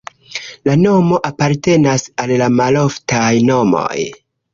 La nomo apartenas al la maloftaj nomoj.